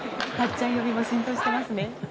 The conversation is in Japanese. ちゃん呼びも浸透していますね。